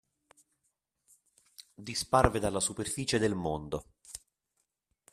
Disparve dalla superficie del mondo